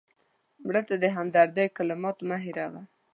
مړه ته د همدردۍ کلمات مه هېروه